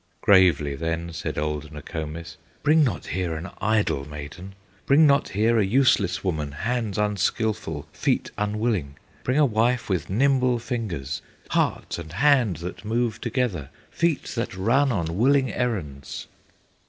Gravely then said old Nokomis: "Bring not here an idle maiden, Bring not here a useless woman, Hands unskilful, feet unwilling; Bring a wife with nimble fingers, Heart and hand that move together, Feet that run on willing errands!"